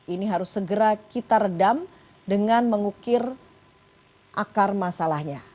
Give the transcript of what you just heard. ini harus segera kita redam dengan mengukir akar masalahnya